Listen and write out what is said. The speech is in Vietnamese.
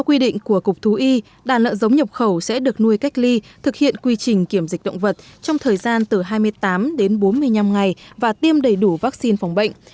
theo quy định của cục thú y đàn lợn giống nhập khẩu sẽ được nuôi cách ly thực hiện quy trình kiểm dịch động vật trong thời gian từ hai mươi tám đến bốn mươi năm ngày và tiêm đầy đủ vaccine phòng bệnh